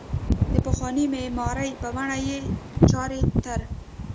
د پخوانۍ معمارۍ په بڼه یې چارې تر